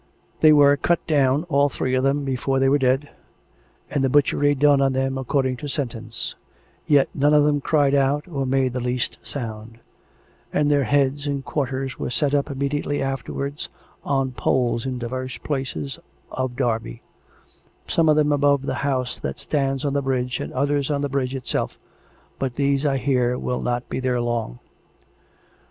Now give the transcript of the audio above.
" They were cut down, all three of them, before they were dead; and the butchery done on them according to sentence; yet none of them cried out or made the least sound; and their heads and quarters were set up imme diately afterwards on poles in divers places of Derby; some of them above the house that stands on the bridge and others on the bridge itself. But these, I hear, will not be there long.